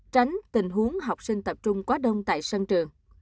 tránh tình huống học sinh tập trung quá đông tại sân trường